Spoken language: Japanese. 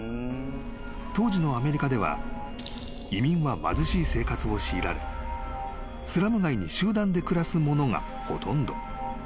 ［当時のアメリカでは移民は貧しい生活を強いられスラム街に集団で暮らす者がほとんど］